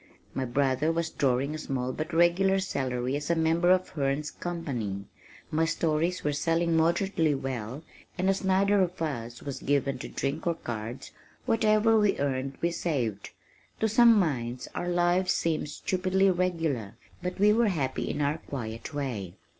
My brother was drawing a small but regular salary as a member of Herne's company, my stories were selling moderately well and as neither of us was given to drink or cards, whatever we earned we saved. To some minds our lives seemed stupidly regular, but we were happy in our quiet way.